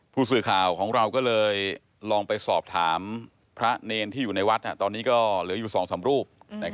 ผู้สื่อข่าวของเราก็เลยลองไปสอบถามพระเนรที่อยู่ในวัดตอนนี้ก็เหลืออยู่๒๓รูป